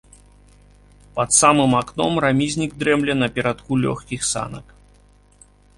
Пад самым акном рамізнік дрэмле на перадку лёгкіх санак.